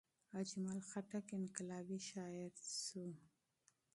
اجمل خټک انقلابي شاعر شو.